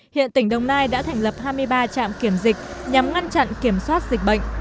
hiện tỉnh đồng nai đã thành lập hai mươi ba trạm kiểm dịch nhằm ngăn chặn kiểm soát dịch bệnh